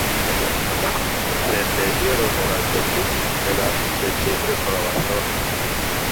Deterioro de la techumbre por abandono.